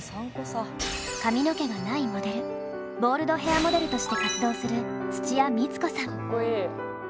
髪の毛がないモデルボールドヘアモデルとして活動するかっこいい。